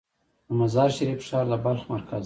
د مزار شریف ښار د بلخ مرکز دی